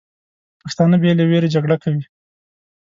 پښتانه بې له ویرې جګړه کوي.